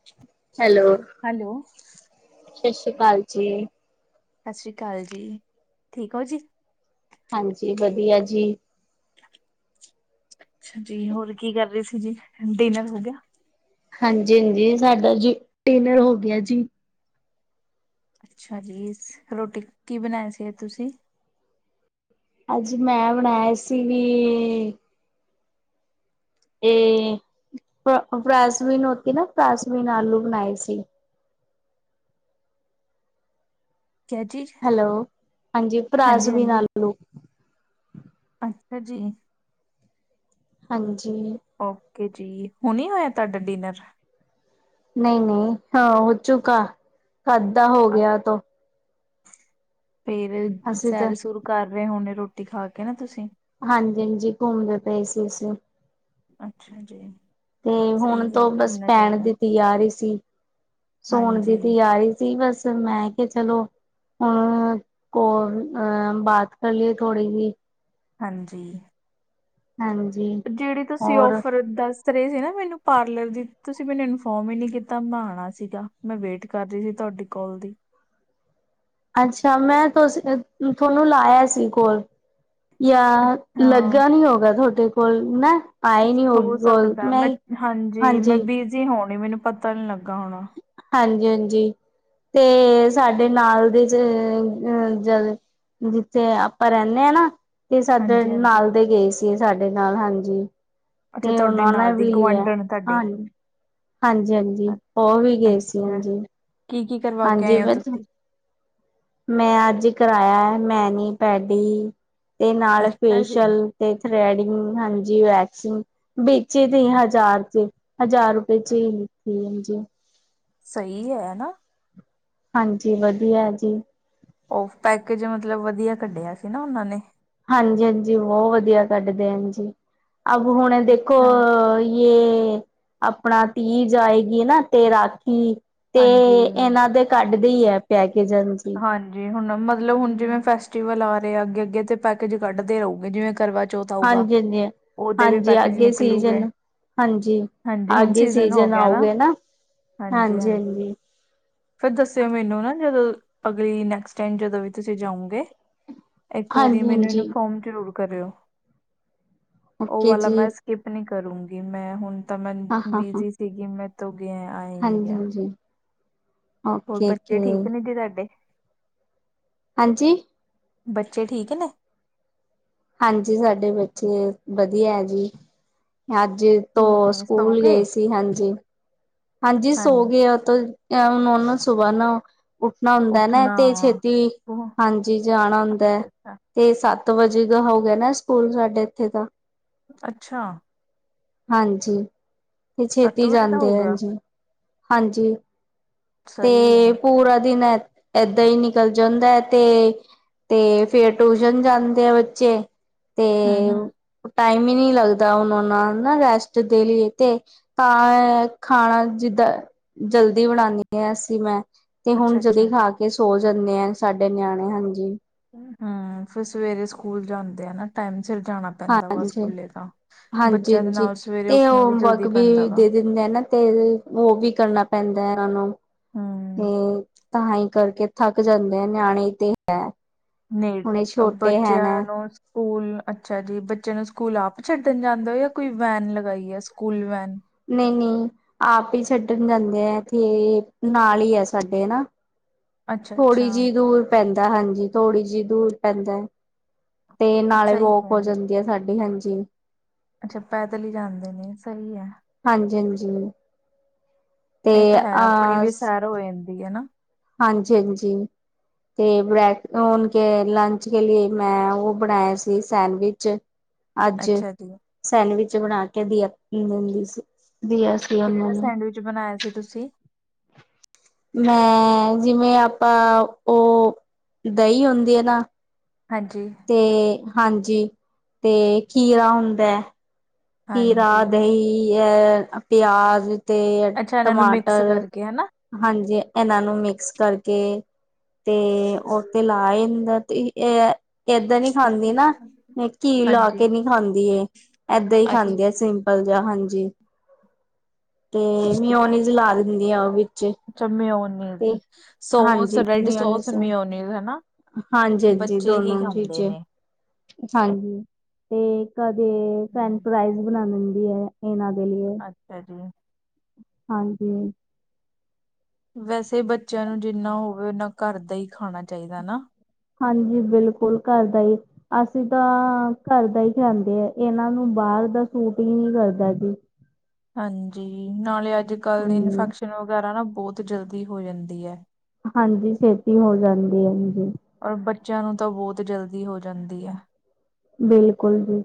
[unintelligible] Hello hello. ਸਤਿ ਸ਼੍ਰੀ ਅਕਾਲ ਜੀ। ਸਤਿ ਸ਼੍ਰੀ ਅਕਾਲ ਜੀ, ਠੀਕ ਹੋ ਜੀ? ਹਾਂਜੀ ਵਧੀਆ ਜੀ। ਅੱਛਾ ਜੀ, ਹੋਰ ਕੀ ਕਰ ਰਹੀ ਸੀ ਜੀ, ਡਿਨਰ ਹੋ ਗਿਆ? ਹਾਂਜੀ-ਹਾਂਜੀ ਸਾਡਾ ਜੀ ਡਿਨਰ ਹੋ ਗਿਆ ਜੀ। ਅੱਛਾ ਜੀ, ਰੋਟੀ ਕੀ ਬਣਾਇਆ ਸੀ ਅੱਜ ਤੁਸੀਂ? ਅੱਜ ਮੈਂ ਬਣਾਏ ਸੀ ਵੀ ਇਹ ਫ ਫਾਸਮੀਨ ਹੋਤੇ ਨਾ ਫਾਸਮੀਨ ਆਲੂ ਬਣਾਏ ਸੀ। ਕਿਆ ਚੀਜ਼? ਹੈਲੋ, ਹਾਂਜੀ ਹਾਂਜੀ ਫਰਾਸਬੀ- ਹਾਂਜੀ, ਆਲੂ। ਅੱਛਾ ਜੀ। ਹਾਂਜੀ। ਓਕੇ ਜੀ, ਹੁ ਨੇ ਹੋਇਆ ਤੁਹਾਡਾ ਡਿਨਰ। ਨਹੀਂ- ਨਹੀਂ ਹਾਂ ਉਹ ਚੂਕਾ ਕਦ ਦਾ ਹੋ ਗਿਆ ਤੋ। ਫੇਰ ਅਸੀਂ ਤਾਂ ਸੈਰ- ਸੁਰ ਕਰ ਰਹੇ ਹੋਣੇ ਰੋਟੀ ਖਾ ਕੇ ਨਾ ਤੁਸੀਂ। ਹਾਂਜੀ-ਹਾਂਜੀ ਘੁੰਮਦੇ ਪਏ ਸੀ ਅਸੀਂ। ਅੱਛਾ ਜੀ। ਤੇ ਹੁਣ ਸਹੀ ਹੈ ਤੋ ਬਸ ਘੁੰਮਣਾ ਪੈਣ ਚਾਹੀਦਾ। ਦੀ ਤਿਆਰੀ ਸੀ। ਸੋਣ ਦੀ ਹਾਂਜੀ, ਤਿਆਰੀ ਸੀ, ਬਸ ਮੈਂ ਕੇ ਚਲੋ। ਹੁਣ ਕੋ ਅਹ ਬਾਤ ਕਰ ਲਈਏ ਥੋੜੀ ਜੀ। ਹਾਂਜੀ। ਹਾਂਜੀ। ਜਿਹੜੀ ਤੁਸੀਂ ਹੋਰ ਔਫਰ ਦੱਸ ਰੇ ਸੀ ਨਾ ਮੈਨੂੰ ਪਾਰਲਰ ਦੀ, ਤੁਸੀਂ ਮੈਨੂੰ ਇਨਫੋਰਮ ਹੀ ਨੀ ਕੀਤਾ। ਮੈਂ ਆਉਣਾ ਸੀਗਾ, ਮੈਂ ਵੇਟ ਕਰ ਰਹੀ ਸੀ ਤੁਹਾਡੀੇ। ਕੋਲ ਦੀ। ਅੱਛਾ ਮੈਂ ਤੁ ਤੁਹਾਨੂੰ ਲਾਇਆ ਸੀ, ਕੋਲ। ਜਾਂ ਲੱਗਾ ਅੱਛਾ, ਨੀ ਹੋਗਾ ਤੁਹਾਡੇ ਕੋਲ, ਨਾ। ਆਏ ਨੀ ਹੋ ਹੋਗੀ ਕੋਲ ਸਕਦਾ ਮੈਂ ਹਾਂਜੀ, ਮੈਂ ਬਿਜ਼ੀ ਹੋਣੀ ਮੈਨੂੰ ਪਤਾ ਨੀ ਲੱਗਾ ਹੋਣਾ। ਹਾਂਜੀ- ਹਾਂਜੀ, ਤੇ ਸਾਡੇ ਨਾਲ ਦੇ ਚ ਅ ਜਦ ਜਿੱਥੇ ਆਪਾਂ ਰਹਿੰਦੇ ਹਾਂ ਨਾ, ਤੇ ਸਾਡੇ ਹਾਂਜੀ ਹਾਂਜੀ, ਨਾਲ ਦੇ ਗਏ ਸੀ। ਸਾਡੇ ਨਾਲ ਹਾਂਜੀ, ਅੱਛਾ ਤੇ ਤੁਹਾਡੇ ਉਹਨਾ ਨੇ ਨਾਲ ਦੀ ਵੀ ਲਿਆ, ਗੁਆਂਢਣ ਤੁਹਾਡੇ ਹਾਂਜੀ। ਹਾਂਜੀ- ਹਾਂਜੀ ਉਹ ਵੀ ਅੱਛਾ ਗਏ ਸੀ, ਅੱਛਾ। ਹਾਂਜੀ। ਕੀ- ਕੀ ਕਰਵਾ ਕੇ ਹਾਂਜੀ ਆਏ ਹੋ ਤੁਸੀਂ? ਮੈਂ ਅੱਜ ਕਰਾਇਆ ਮੈਨੀ, ਪੈਡੀ ਤੇ ਨਾਲ ਅੱਛਾ ਜੀ ਫੇਸ਼ਅਲ ਤੇ ਥਰੈਡਿੰਗ ਹਾਂਜੀ, ਵੈਕਸਿੰਗ ਬਿਚ ਦੀ ਸੀ ਹਜ਼ਾਰ ਚ। ਹਜ਼ਾਰ ਰੁਪਏ ਚ ਹੀ ਲਿੱਤੀ ਜੀ। ਸਹੀ ਹੈ, ਹਨਾ। ਹਾਂਜੀ ਵਧੀਆ ਜੀ। ਉਹ ਪੈਕੇਜ ਮਤਲਬ ਵਧੀਆ ਕੱਢਿਆ ਸੀ, ਨਾ ਉਹਨਾਂ ਨੇ। ਹਾਂਜੀ- ਹਾਂਜੀ ਬਹੁਤ ਵਧੀਆ ਕੱਢ ਦੇ ਹੈ ਜੀ, ਅਬ ਹੁਣੇ ਦੇਖੋ। ਅੱਛਾ ਇਹ ਆਪਣਾ ਤੀਜ ਆਏਗੀ ਨਾ, ਤੇ ਰਾਖੀ। ਤੇ ਹਾਂਜੀ ਇਹਨਾਂ ਦੇ ਕੱਢਦੇ ਹੈ ਪੈਕੇਜ। ਹਾਂਜੀ, ਹੁਣ ਮਤਲਬ ਹੁਣ ਜਿਵੇਂ ਫੈਸਟੀਵਲ ਆ ਰਹੇ ਅੱਗੇ-ਅੱਗੇ ਤੇ ਪੈਕੇਜ ਕੱਢਦੇ ਹਓਗੇ ਜਿਵੇਂ ਕਰਵਾ ਜੋਤ ਆਊਗਾ ਹਾਂਜੀ ਹਾਂਜੀ ਉਹਦੇ ਵੀ ਹਾਂਜੀ ਪੈਕੇਜ ਅੱਗੇ ਨਿਕਲੂਗੇ। ਸੀਜਨ ਹਾਂਜੀ ਹਾਂਜੀ ਹੁਣ ਸੀਜਨ ਹੋ ਗਿਆ ਨਾ। ਹਾਂਜੀ- ਹਾਂਜੀ। ਫੇਰ ਦੱਸਿਓ ਮੈਨੂੰ ਨਾ, ਜਦੋਂ ਅਗਲੀ ਨੈਕਸਟ ਟਾਈਮ ਜਦੋਂ ਵੀ ਤੁਸੀਂ ਜਾਓਗੇ। ਇੱਕ ਵਾਰੀ ਹਾਂਜੀ ਮੈਨੂੰ ਹਾਂਜੀ ਇਨਫੋਰਮ ਜ਼ਰੂਰ ਕਰਿਓ ਉਹ ਓਕੇ ਵਾਲਾ ਜੀ ਮੈਂ ਸਕਿਪ ਨੀ ਕਰੂੰਗੀ ਮੈਂ ਹੁਣ ਤਾਂ ਮੈ ਹਾਂ ਹਾਂ ਹਾਂ ਬਿਜੀ ਸੀਗੀ ਮੈਂ ਤੋਂ ਗਿਆ ਆਏ ਨਹੀਂ ਹਾਂਜੀ ਗਿਆ। ਹਾਂਜੀ ਹੋਰ ਓਕੇ ਬੱਚੇ ਓਕੇ ਠੀਕ ਨੇ ਜੀ ਤੁਹਾਡੇ? ਹਾਂਜੀ ਬੱਚੇ ਠੀਕ ਨੇ? ਹਾਂਜੀ ਸਾਡੇ ਬੱਚੇ ਵਧੀਆ ਹੈ ਜੀ ਅੱਜ ਤੋਂ ਕੀ ਸੌ ਸਕੂਲ ਗਏ ਸੀ ਹਾਂਜੀ। ਹਾਂਜੀ ਸੋ ਗਏ ਤੋਂ ਹੁਣ ਉਹ ਨਾ ਸੁਬਾਹ ਨਾ, ਉੱਠਣਾ ਹੁੰਦਾ ਨਾ ਉੱਠਣਾ ਤੇ ਛੇਤੀ ਉਹ ਹਾਂਜੀ ਜਾਣਾ ਹੁੰਦਾ ਹੈ। ਅੱਛਾ ਅੱਛਾ ਤੇ ਸੱਤ ਵਜੇ ਦਾ ਹੋ ਗਿਆ ਨਾ ਸਕੂਲ ਸਾਡੇ ਇੱਥੇ ਦਾ ਅੱਛਾ ਹਾਂਜੀ ਤੇ ਛੇਤੀ ਵਜੇ ਦਾ ਹੋ ਜਾਂਦੇ ਆ ਗਿਆ ਜੀ ਹਾਂਜੀ ਸਹੀ ਤੇ ਹੈ ਪੂਰਾ ਦਿਨ ਏਦਾਂ ਹੀ ਨਿਕਲ ਜਾਂਦਾ ਹੈ ਤੇ ਤੇ ਫੇਰ ਟਿਊਸ਼ਨ ਜਾਂਦੇ ਆ ਬੱਚੇ ਤੇ ਹੂੰ ਹੂੰ ਟਾਈਮ ਹੀ ਨਹੀਂ ਲੱਗਦਾ, ਉਹ ਉਹ ਨਾਲ ਨਾ ਰੈਸਟ ਦੇ ਲਈਏ ਤੇ ਤਾਂ, ਖਾਣਾ ਜਿੱਦਾਂ ਜਲਦੀ ਬਣਾਉਂਦੀ ਹਾਂ ਅਸੀਂ ਮੈਂ ਤੇ ਅੱਛਾ ਹੁਣ ਅੱਛਾ ਜਲਦੀ ਖਾ ਕੇ ਕੇ ਸੋ ਜਾਂਦੇ ਆ ਸਾਡੇ ਨਿਆਣੇ ਹਾਂਜੀ। ਹਮ ਫਿਰ ਸਵੇਰੇ ਸਕੂਲ ਜਾਂਦੇ ਆ ਨਾ ਟਾਈਮ ਸਿਰ ਜਾਣਾ। ਪੈਂਦਾ ਵਾ ਹਾਂਜੀ ਸਕੂਲੇ ਤਾਂ ਹਾਂਜੀ ਬੱਚਿਆਂ ਦੇ ਹਾਂਜੀ ਨਾਲ ਸਵੇਰੇ ਉੱਠਣਾ ਵੀ ਜਲਦੀ ਪੈਂਦਾ ਵਾ। ਹੁੰਦੇ ਨਾ ਤੇ ਉਹ ਵੀ ਕਰਨਾ ਪੈਂਦਾ ਇਹਨਾਂ ਨੂੰ ਹੂੰ ਤੇ ਤਾਂ ਹੀ ਕਰਕੇ ਥੱਕ ਜਾਂਦੇ ਆ ਨਿਆਣੇ ਤੇ, ਨੇ ਹੁਣੇ ਛੋਟੇ ਹੈ ਨਾ ਬੱਚਿਆਂ ਨੂੰ ਸਕੂਲ ਅੱਛਾ ਜੀ ਬੱਚੇ ਨੂੰ ਸਕੂਲ ਆਪ ਛੱਡਣ ਜਾਂਦੇ ਹੋ ਜਾਂ ਕੋਈ ਵੈਨ ਲਗਾਈ ਹੈ ਸਕੂਲ ਵੈਨ ਨਹੀਂ ਨਹੀਂ, ਆਪ ਹੀ ਛੱਡਣ ਜਾਂਦੇ ਆ ਇਥੇ ਨਾਲ ਹੀ ਆ ਸਾਡੇ ਹਨਾ। ਅੱਛਾ ਅੱਛਾ ਥੋੜ੍ਹੀ ਜਿਹੀ ਦੂਰ ਪੈਂਦਾ ਹਾਂਜੀ ਥੋੜ੍ਹੀ ਜਿਹੀ ਦੂਰ ਪੈਂਦਾ ਹੈ। ਤੇ ਨਾਲੇ ਸਹੀ ਰੋਖ ਹੋ ਹੈ ਜਾਂਦੀ ਆ ਸਾਡੀ ਹਾਂਜੀ। ਅੱਛਾ ਪੈਦਲ ਹੀ ਜਾਂਦੇ ਨੇ ਸਹੀ ਹੈ। ਹਾਂਜੀ, ਹਾਂਜੀ ਤੇ ਇਹ ਤਾਂ ਹੈ ਆਪਣੀ ਆ ਵੀ ਸੈਰ ਹੋ ਜਾਂਦੀ ਹੈ ਹਨਾ, ਹਾਂਜੀ ਹਾਂਜੀ, ਤੇ ਬ੍ਰੈਕ ਹਣ ਕੇ ਲੰਚ ਕੇ ਲੀਏ ਮੈਂ ਉਹ ਬਣਾਇਆ ਸੀ ਸੈਂਡਵਿਚ ਅੱਜ ਅੱਛਾ ਜੀ ਸੈਂਡਵਿਚ ਬਣਾ ਕੇ ਦੀਆ ਦਿੰਦੀ ਸੀ ਦੀਆ ਕਿਹੜਾ ਸੈਂਡਵਿਚ ਬਣਾਇਆ ਸੀ ਤੁਸੀਂ ਮੈਂ ਜਿਵੇਂ ਆਪਾਂ ਉਹ ਦਹੀਂ ਹੁੰਦੀ ਹੈ ਨਾ ਹਾਂਜੀ ਤੇ ਹਾਂਜੀ ਤੇ ਖੀਰਾ ਹੁੰਦਾ। ਹਾਂਜੀ ਖੀਰਾ ਦਹੀਂ ਅ ਪਿਆਜ ਤੇ ਅੱਛਾ ਇਹਨਾਂ ਨੂੰ ਮਿਕਸ ਟਮਾਟਰ ਕਰਕੇ ਹੈ ਨਾ ਹਾਂਜੀ ਇਹਨਾਂ ਨੂੰ ਮਿਕਸ ਕਰਕੇ ਤੇ ਉਹ ਤੇ ਲਾ ਇੰਦਾ ਤੇ ਇਹ ਏਦਾਂ ਨੀ ਖਾਂਦੀ ਨਾ ਘੀ ਲਾ ਹਾਂਜੀ ਕੇ ਨਹੀਂ ਖਾਂਦੀ ਇਹ ਏਦਾਂ ਹੀ, ਅੱਛਾ ਖਾਂਦੀ ਆ ਸਿੰਪਲ ਜਾਂ ਹਾਂਜੀ ਤੇ ਮੀਉਹਨੀਜ਼ ਲਾ ਦਿੰਦੀ ਹਾਂ ਉਹ ਵਿੱਚ ਅੱਛਾ ਮਿਓਨੀਜ਼ ਤੇ ਸੋਸ ਹਾਂਜੀ ਰੈਡ ਸੋਸ ਮਿਓਨੀਜ਼ ਮਿਓਨੀਜ਼ ਹਨਾ। ਹਾਂਜੀ, ਹਾਂਜੀ ਦੋਨੋ ਜੀ ਜੀਜੇ, ਹਾਂਜੀ ਤੇ ਕਦੇ ਫਰੇਂਚ ਹਮ, ਫਰਾਈ ਬਣਾ ਲਿੰਦੀ ਹੈ। ਏਨਾ ਦੇ ਲਈ ਅੱਛਾ ਜੀ। ਹਾਂਜੀ। ਵੈਸੇ ਬੱਚਿਆਂ ਨੂੰ ਜਿੰਨਾ ਹੋਵੇ ਉਹਨਾ ਘਰ ਦਾ ਹੀ ਖਾਣਾ ਚਾਹੀਦਾ ਨਾ। ਹਾਂਜੀ, ਬਿਲਕੁਲ ਘਰ ਦਾ ਹੀ, ਅਸੀਂ ਤਾਂ ਘਰ ਦਾ ਹੀ ਖਾਂਦੇ ਆ ਇਹਨਾਂ ਨੂੰ ਬਾਹਰ ਦਾ ਸੂਟ ਹੀ ਨਹੀਂ ਕਰਦਾ ਜੀ। ਹਾਂਜੀ, ਨਾਲੇ ਅੱਜ ਕੱਲ੍ਹ ਦੀ ਹਾਂਜੀ ਇਨਫੈਕਸ਼ਨ ਵਗੈਰਾ ਨਾ ਬਹੁਤ ਜਲਦੀ ਹੋ ਜਾਂਦੀ ਹੈ। ਹਾਂਜੀ, ਛੇਤੀ ਹੋ ਜਾਂਦੀ ਹਾਂ ਜੀ। ਔਰ ਬੱਚਿਆਂ ਨੂੰ ਤਾਂ ਬਹੁਤ ਜਲਦੀ ਹੋ ਜਾਂਦੀ ਹੈ, ਬਿਲਕੁਲ ਜੀ।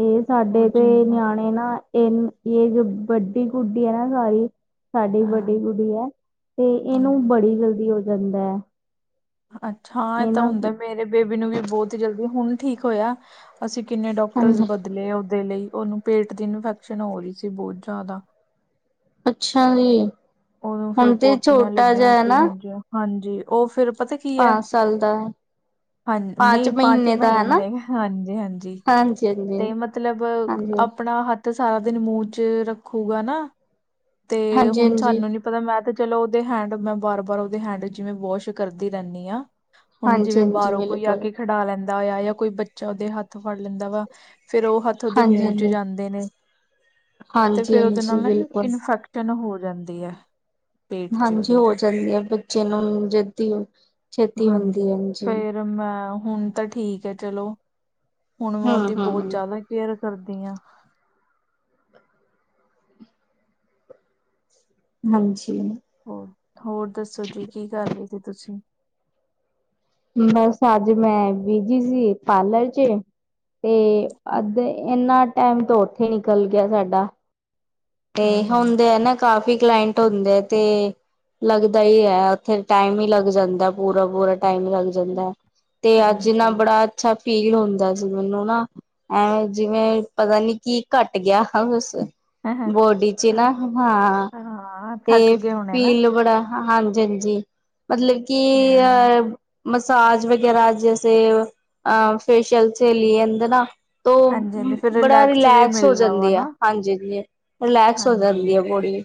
ਇਹ ਉਹ ਸਾਡੇ ਤੇ ਜਿੰਨਾ ਨਿਆਣੇ ਨਾ ਇਹ ਏਜ ਵੱਡੀ ਹੁੰਦੀ ਹੈ ਨਾ ਸਾਡੀ, ਸਾਡੀ ਵੱਡੀ ਹਾਂ ਗੁੜੀਆ ਹੈ ਤੇ ਇਹਨੂੰ ਬੜੀ ਜਲਦੀ ਹੋ ਜਾਂਦਾ ਹੈ। ਅੱਛਾ ਹਾਂ ਇਹ ਤਾਂ ਇਹਨਾਂ ਹੁੰਦਾ ਮੇਰੇ ਬੇਬੀ ਨੂੰ ਵੀ ਬਹੁਤ ਹੀ ਜਲਦੀ ਹੁਣ ਠੀਕ ਹੋਇਆ ਅਸੀਂ ਕਿੰਨੇ ਡਾਕਟਰਸ ਹਾਂਜੀ ਬਦਲੇ ਉਹਦੇ ਲਈ ਉਹਨੂੰ ਪੇਟ ਦੀ ਇਨਫੈਕਸ਼ਨ ਹੋ ਰਹੀ ਸੀ ਬਹੁਤ ਜ਼ਿਆਦਾ। ਅੱਛਾ ਜੀ। ਉਦੋਂ ਫਿਰ ਹੁਣ ਤੇ ਪੋਟੀਆਂ ਛੋਟਾ ਜਿਹਾ ਲੱਗੀਆਂ ਹੈ ਸੀ ਨਾ ਹਾਂਜੀ-ਹਾਂਜੀ ਉਹ ਫਿਰ ਪਤਾ ਕੀ ਹੈ, ਪਾਂਚ ਸਾਲ ਦਾ ਹੈ ਹਾਂ, ਪਾਂਚ ਨਹੀਂ ਪੰਜ ਦਾ ਹੈ ਨਾ ਮਹੀਨੇ ਹਾਂਜੀ-ਹਾਂਜੀ, ਹਾਂਜੀ ਹਾਂਜੀ ਤੇ ਮਤਲਬ ਹਾਂਜੀ ਆਪਣਾ ਹੱਥ ਸਾਰਾ ਦਿਨ ਮੂੰਹ ਚ ਰੱਖੂਗਾ ਨਾ, ਹਾਂਜੀ ਤੇ ਹੁਣ ਹਾਂਜੀ ਨੀ ਪਤਾ ਮੈਂ ਤੇ ਚਲੋ ਉਹਦੇ ਹੈਂਡ ਮੈਂ ਬਾਰ ਬਾਰ ਉਹਦੇ ਹੈਂਡ ਜਿਵੇਂ ਵੋਸ਼ ਕਰਦੀ ਰਹਿੰਦੀ ਹਾਂ। ਹੁਣ ਹਾਂਜੀ ਜਿਵੇਂ ਹਾਂਜੀ ਬਾਹਰੋਂ ਕੋਈ ਆ ਬਿਲਕੁਲ ਕੇ ਖਿਡਾ ਲੈਂ ਦਾ ਆ ਜਾਂ ਕੋਈ ਬੱਚਾ ਉਹਦੇ ਹੱਥ ਫੜ ਲੈਂਦਾ ਵਾ ਫਿਰ ਉਹ ਹੱਥ ਉਹਦੇ ਹਾਂਜੀ ਮੂੰਹ ਚ ਹਾਂਜੀ ਜਾਂਦੇ ਨੇ, ਤੇ ਹਾਂਜੀ ਫੇਰ ਉਹਦੇ ਨਾਲ ਹਾਂਜੀ ਨਾ ਬਿਲਕੁਲ ਇਨਫੈਕਸ਼ਨ ਹੋ ਜਾਂਦੀ ਹੈ, ਪੇਟ 'ਚ ਹਾਂਜੀ ਉਹਦੇ ਹੋ ਜਾਂਦੀ ਹੈ ਬੱਚੇ ਨੂੰ ਜਦੀ ਛੇਤੀ ਹੁੰਦੀ ਹੈ, ਹਾਂਜੀ। ਫੇਰ ਮੈਂ ਹੁਣ ਤਾਂ ਠੀਕ ਹੈ ਚਲੋ, ਹੁਣ ਮੈਂ ਹਮ ਉਹਦੀ ਹਮ ਬਹੁਤ ਹਮ ਜ਼ਿਆਦਾ ਕੇਅਰ ਕਰਦੀਆ। ਹਾਂਜੀ। ਹੋ ਹੋਰ ਦੱਸੋ ਜੀ ਕੀ ਕਰ ਰਹੇ ਸੀ ਤੁਸੀਂ? ਬਸ ਅੱਜ ਮੈਂ ਬਿਜੀ ਸੀ ਪਾਰਲਰ ਚ, ਤੇ ਅੱਧ ਇੰਨਾ ਟਾਈਮ ਤੋਂ ਉੱਥੇ ਨਿਕਲ ਗਿਆ ਸਾਡਾ ਤੇ ਹੂੰ ਹੂੰ ਹੁੰਦੇ ਆ ਨਾ ਕਾਫੀ ਕਲਾਇੰਟ ਹੁੰਦੇ ਆ ਤੇ ਲੱਗਦਾ ਹੀ ਹੈ, ਉੱਥੇ ਟਾਈਮ ਹੀ ਲੱਗ ਜਾਂਦਾ ਪੂਰਾ-ਪੂਰਾ ਟਾਈਮ ਹੀ ਲੱਗ ਜਾਂਦੈ, ਤੇ ਅੱਜ ਨਾ ਹਾਂਜੀ ਬੜਾ ਅੱਛਾ ਫੀਲ ਹੁੰਦਾ ਸੀ ਮੈਨੂੰ ਨਾ, ਐਂ ਜਿਵੇਂ ਪਤਾ ਨੀ ਕੀ ਘੱਟ ਗਿਆ ਬਸ, ਹਾਂ ਬੋਡੀ ਚ ਨਾ, ਹਾਂ। ਥੱਕ ਤੇ ਗਏ ਹੋਣੇ ਨਾ ਫੀਲ ਬੜਾ ਹਾਂਜੀ-ਹਾਂਜੀ, ਮਤਲਬ ਕਿ ਹਾਂ ਅ ਮਸਾਜ ਵਗੈਰਾ ਜੈਸੇ ਅ ਫੇਸ਼ਅਲ ਚਲੀ ਜਾਂਦੇ ਹੈ ਨਾ ਤੋਂ, ਹਾਂਜੀ ਹਾਂਜੀ ਫਿਰ ਬੜਾ ਵੀ ਰਿਲੈਕਸ ਹੋ ਮਿਲਦਾ ਵਾ ਜਾਂਦੇ ਆ, ਨਾ ਹਾਂਜੀ ਹਾਂ। ਰਿਲੈਕਸ ਹੋ ਹਾਂਜੀ ਜਾਂਦੀ ਹੈ ਬੋਡੀ,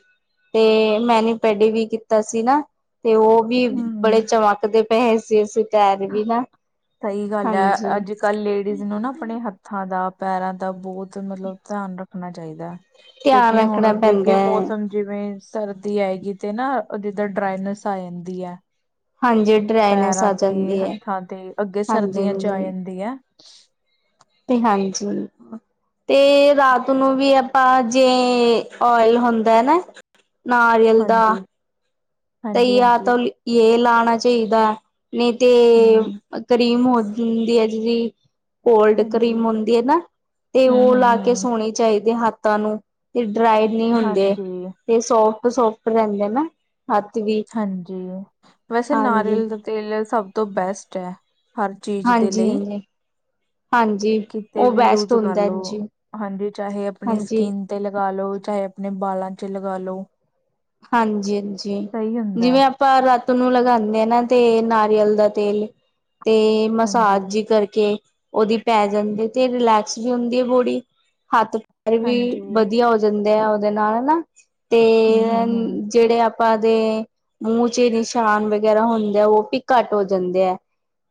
ਤੇ ਮੈਨ ਪੈਡੀ ਵੀ ਕੀਤਾ ਸੀ ਨਾ ਤੇ ਉਹ ਵੀ ਬੜੇ ਹੂੰ ਚਮਕ ਦੇ ਪਏ ਸੀ ਅਸੀਂ ਪੈਰ ਵੀ ਨਾ, ਹਾਂਜੀ ਪਰ ਲੇਡੀਜ਼ ਨੂੰ ਨਾ ਆਪਣੇ ਹੱਥਾਂ ਦਾ ਪੈਰਾਂ ਦਾ ਬਹੁਤ ਮਤਲਬ ਧਿਆਨ ਰੱਖਣਾ ਚਾਹੀਦਾ। ਧਿਆਨ ਕਿਉਂਕਿ ਹੁਣ ਰੱਖਣਾ ਅੱਗੇ ਪੈਂਦਾ ਅੱਗੇ ਹੈ ਮੌਸਮ ਜਿਵੇਂ ਸਰਦੀ ਆਏਗੀ ਤੇ ਨਾ ਜਿੱਦਾਂ ਡਰਾਈਨੈਸ ਆ ਜਾਂਦੀ ਹੈ, ਹਾਂਜੀ। ਡਰਾਈਨੈਸ ਪੈਰਾਂ ਆ ਤੇ ਜਾਂਦੀ ਹੈ ਹੱਥਾਂ ਤੇ ਅੱਗੇ ਹਾਂਜੀ ਸਰਦੀਆਂ ਚ ਆ ਹਾਂਜੀ ਜਾਂਦੀ ਹੈ। ਤੇ ਹਾਂਜੀ, ਬਿਲਕੁਲ, ਤੇ ਰਾਤ ਨੂੰ ਵੀ ਆਪਾਂ ਜੇ ਓਇਲ ਹੁੰਦਾ ਨਾ, ਨਾਰੀਅਲ ਦਾ, ਹਾਂਜੀ ਤੇ ਹਾਂਜੀ ਜਾ ਹਾਂਜੀ ਤਾਂ ਇਹ ਲਾਉਣਾ ਚਾਹੀਦਾ ਨਹੀਂ ਤੇ ਹਮ ਕਰੀਮ ਹੋ ਹੁੰਦੀ ਹੈ ਜਿਹੜੀ, ਕੋਲਡ ਹਾਂਜੀ ਕਰੀਮ ਹੁੰਦੀ ਹੈ, ਨਾ ਤੇ ਹਮ ਉਹ ਹਮ ਲਾ ਕੇ ਹਮ ਸੋਣੀ ਚਾਹੀਦੇ ਹੱਥਾਂ ਨੂੰ, ਤੇ ਡਰਾਈ ਨਹੀਂ ਹੁੰਦੇ ਹਾਂਜੀ ਤੇ ਸੋਫਟ ਸੋਫਟ ਰਹਿੰਦੇ ਨਾ, ਹੱਥ ਵੀ, ਹਾਂਜੀ, ਵੈਸੇ ਹਾਂਜੀ। ਨਾਰੀਅਲ ਦਾ ਤੇਲ ਸਭ ਤੋਂ ਬੈਸਟ ਹੈ। ਹਰ ਚੀਜ਼ ਦੇ ਹਾਂਜੀ ਲਈ। ਹਾਂਜੀ ਹਾਂਜੀ। ਕਿਤੇ ਉਹ ਵੀ ਬੈਸਟ ਯੂਜ ਕਰ ਹੁੰਦਾ ਲੋ ਜੀ ਹਾਂਜੀ, ਚਾਹੇ ਆਪਣੀ ਹਾਂਜੀ। ਸਕਿਨ। ਤੇ ਲਗਾ ਲੋ, ਚਾਹੇ ਆਪਣੇ ਬਾਲਾਂ ਚ ਲਗਾ ਲੋ। ਹਾਂਜੀ- ਹਾਂਜੀ ਸਹੀ ਹੁੰਦਾ ਜਿਵੇਂ- ਹੈ ਆਪਾਂ ਰਾਤ ਨੂੰ ਲਗਾਉਂਦੇ ਆ ਨਾ, ਤੇ ਨਾਰੀਅਲ ਦਾ ਤੇਲ ਤੇ- ਹਾਂਜੀ ਮਸਾਜ ਜਿਹ ਕਰਕੇ ਉਹਦੀ ਪੈ ਜਾਂਦੇ ਤੇ ਰਿਲੈਕਸ ਵੀ ਹੁੰਦੀ ਹੈ ਬੋਡੀ। ਹੱਥ- ਵੀ ਹਾਂਜੀ ਵਧੀਆ ਹੋ ਜਾਂਦੇ ਆ। ਉਹਦੇ ਨਾਲ ਹਨਾ ਹਮ ਤੇ- ਹਮ ਹਮ ਜਿਹੜੇ ਆਪਾਂ ਦੇ- ਮੂੰਹ ਚ ਨਿਸ਼ਾਨ ਵਗ਼ੈਰਾ ਹੁੰਦੇ ਐ, ਉਹ ਵੀ ਘੱਟ ਹੋ ਜਾਂਦੇ ਹੈ।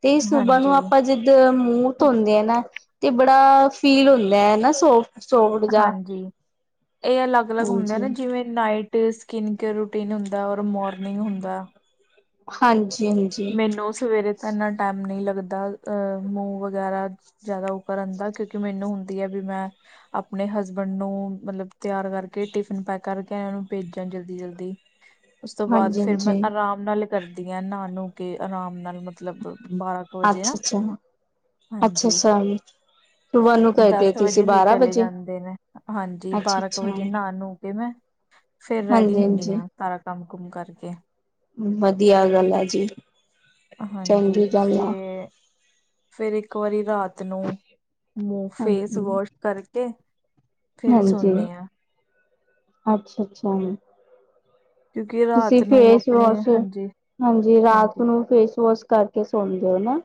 ਤੇ ਸੁੂਬਾ ਨੂੰ ਹਾਂਜੀ ਆਪਾਂ ਜਿੱਦ ਮੂੰਹ ਧੋਂਦੇ ਆ ਨਾ, ਤੇ ਬੜਾ ਫੀਲ ਹੁੰਦਾ। ਹੈ ਨਾ ਸੋਫਟ ਸੋਫਟ ਜਾ ਹਾਂਜੀ ਇਹ ਅਲੱਗ-ਅਲੱਗ ਹੁੰਦੇ ਹਾਂਜੀ ਨਾ ਜਿਵੇਂ ਨਾਈਟ- ਸਕਿਨ ਕੇਅਰ ਰੂਟੀਨ ਹੁੰਦਾ, ਔਰ ਮੋਰਨਿੰਗ ਹੁੰਦਾ। ਹਾਂਜੀ। ਮੈਨੂੰ ਸਵੇਰੇ ਤਾਂ ਇੰਨਾ ਟਾਈਮ ਨਹੀਂ ਲੱਗਦਾ, ਅਹ ਮੂੰਹ ਵਗੈਰਾ। ਜ਼ਿਆਦਾ ਉਹ ਕਰਨ ਦਾ, ਕਿਉਂਕਿ ਮੈਨੂੰ ਹੁੰਦੀ ਹੈ ਵੀ ਮੈਂ- ਆਪਣੇ ਹਸਬੈਂਡ ਨੂੰ, ਮਤਲਬ ਤਿਆਰ ਕਰਕੇ ਟਿਫਿਨ ਪੈਕ ਕਰਕੇ ਐ ਨੂੰ, ਭੇਜਿਆ ਜਲਦੀ-ਜਲਦੀ। [inaudible] ਓਸ ਤੋਂ ਬਾਅਦ ਹਾਂਜੀ ਫਿਰ ਮੈਂ ਹਾਂਜੀ ਆਰਾਮ ਨਾਲ ਕਰਦੀ ਐ ਨਹਾ ਨੂੰ ਕੇ ਆਰਾਮ ਨਾਲ ਮਤਲੱਬ, ਬਾਰਾ ਅੱਛਾ-ਅੱਛਾ, ਅੱਛਾ-ਅੱਛਾ। ਇਹ ਦਸ ਵਜੇ ਈ ਚਲੇ ਜਾਂਦੇ ਨੇ, ਹਾਂਜੀ ਅੱਛਾ ਬਾਰਾਂ ਕੁ ਅੱਛਾ ਵਜੇ ਹਾਂਜੀ ਨਹਾ ਨੂ ਕੇ ਮੈਂ ਫਿਰ ਰੈਡੀ ਹੁੰਦੀ ਹਾਂਜੀ ਆ ਸਾਰਾ ਕੰਮ-ਕੁਮ ਕਰਕੇ ਵਧੀਆ ਗੱਲ ਆ ਜੀ। ਹਾਂਜੀ, ਚੰਗੀ ਗੱਲ ਆ ਫੇਰ। ਫੇਰ ਇੱਕ ਵਾਰੀ ਰਾਤ ਨੂੰ, ਫੇਸ ਹਾਂਜੀ ਵਾਸ਼ ਕਰਕੇ। ਫੇਰ ਹਾਂਜੀ, ਸੋਨੇ ਆ ਅੱਛਾ- ਅੱਛਾ। ਕਿਉਂਕਿ ਤੁਸੀਂ ਰਾਤ ਨੂੰ ਫੇਸ ਆਪਣੇ ਵਾਸ਼ ਹਾਂਜੀ ਹਾਂਜੀ, ਰਾਤ ਨੂੰ ਫੇਸ ਵਾਸ਼ ਕਰਕੇ ਸੌਦੇ ਹੋ ਨਾ।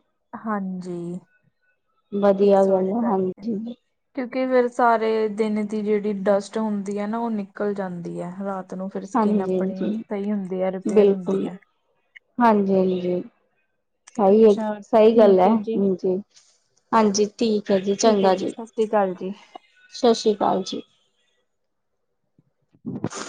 ਹਾਂਜੀ, ਵਧੀਆ ਫੇਸ ਗੱਲ ਵਾਸ਼ ਹੈ ਕਰਕੇ। ਹਾਂਜੀ ਕਿਉਂਕਿ ਫੇਰ ਸਾਰੇ ਦਿਨ ਦੀ, ਜਿਹੜੀ ਡਸਟ ਹੁੰਦੀ ਹੈ ਨਾ। ਉਹ ਨਿਕਲ ਜਾਂਦੀ ਹੈ ਰਾਤ ਨੂੰ। ਉਹ ਫੇਰ ਸਕਿੰਨ ਹਾਂਜੀ ਆਪਣੀ, ਹਾਂਜੀ ਸਹੀ ਹੁੰਦੀ ਹੈ ਰਿਪੇਅਰ ਹੁੰਦੀ ਹੈ। ਹਾਂਜੀ-ਹਾਂਜੀ ਇਹੋ ਹੀ ਅੱਛਾ ਸਹੀ ਗੱਲ ਠੀਕ ਹੈ, ਜੀ ਹਾਂਜੀ। ਹਾਂਜੀ ਠੀਕ ਹੈ ਜੀ, ਠੀਕ ਹੈ ਚੰਗਾ ਜੀ ਸਤਿ ਸ਼੍ਰੀ ਅਕਾਲ ਜੀ ਸਤਿ ਸ੍ਰੀ ਅਕਾਲ ਜੀ। [inaudible]